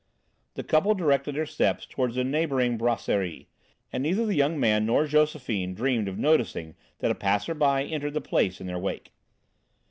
The couple directed their steps toward a neighbouring "brasserie," and neither the young man nor Josephine dreamed of noticing that a passer by entered the place in their wake.